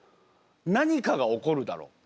何かが起こるだろうって。